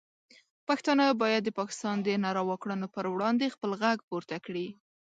پښتانه باید د پاکستان د ناروا کړنو پر وړاندې خپل غږ پورته کړي.